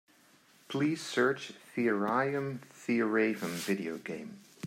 Please search Thirayum Theeravum video game.